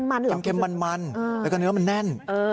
มันเค็มมันแล้วก็เนื้อมันแน่น